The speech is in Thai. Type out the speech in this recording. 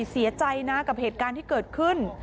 เสียใจนะกับเหตุการณ์ที่เกิดขึ้น